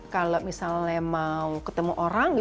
kalau misalnya mau ketemu orang